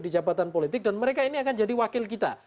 di jabatan politik dan mereka ini akan jadi wakil kita